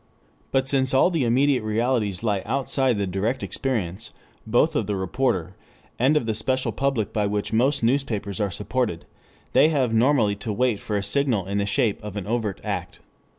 But since all the immediate realities lie outside the direct experience both of the reporter, and of the special public by which most newspapers are supported, they have normally to wait for a signal in the shape of an overt act.